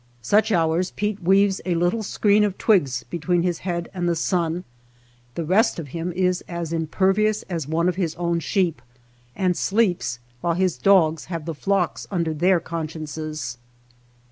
Such hours Pete weaves a little screen of twigs between his head and the sun — the rest of him is as impervious as one of his own sheep — and sleeps while his dogs have the flocks upon their consciences.